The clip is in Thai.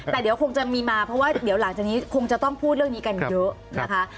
แต่เดี๋ยวคงจะมีมาเพราะว่าเดี๋ยวหลังจากนี้คงจะต้องพูดเรื่องนี้กันเยอะนะคะ